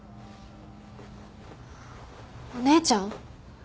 お姉ちゃん？